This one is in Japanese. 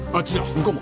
向こうも？